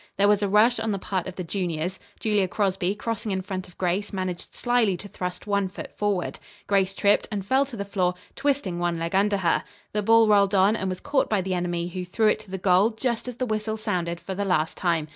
There was a rush on the part of the juniors. Julia Crosby, crossing in front of Grace, managed slyly to thrust one foot forward. Grace tripped and fell to the floor, twisting one leg under her. The ball rolled on, and was caught by the enemy, who threw it to goal just as the whistle sounded for the last time.